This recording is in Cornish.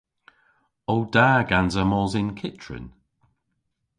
O da gansa mos yn kyttrin?